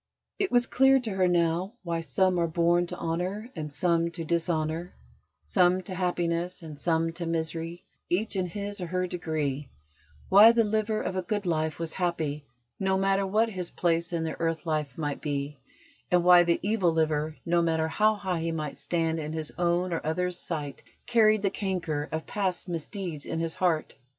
It was clear to her now why "some are born to honour and some to dishonour": some to happiness and some to misery, each in his or her degree; why the liver of a good life was happy, no matter what his place in the earth life might be: and why the evil liver, no matter how high he might stand in his own or others' sight, carried the canker of past misdeeds in his heart.